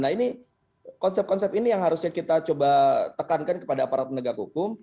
nah ini konsep konsep ini yang harusnya kita coba tekankan kepada aparat penegak hukum